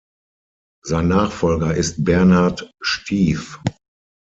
Sein Nachfolger ist Bernhard Stief.